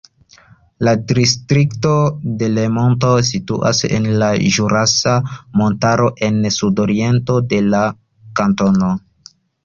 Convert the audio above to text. La Distrikto Delemonto situas en la Ĵurasa Montaro en sudoriento de la kantono.